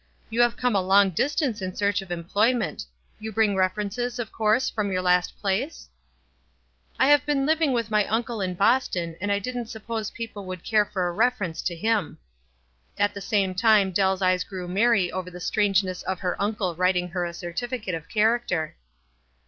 "You have come a long distance in search of employ ment. You bring references, of course, from your last place ?" "I have been living with any uncle in Boston, WISE &KD OTHERWISE. 299 and I didn't suppose people would care for a reference to him." At the same time Dell's eves grew merry over the strangeness of her uncle writing her a certificate of character.